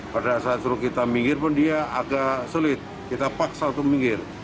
pada saat suruh kita minggir pun dia agak sulit kita paksa untuk minggir